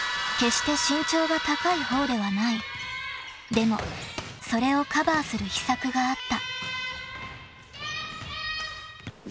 ［でもそれをカバーする秘策があった］